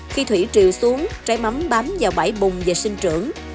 khi thủy triều xuống trái mắm bám vào bãi bùng và sinh trưởng